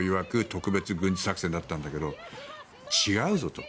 特別軍事作戦だったんだけど違うぞと。